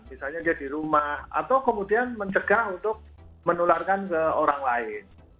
misalnya dia di rumah atau kemudian mencegah untuk menularkan ke orang lain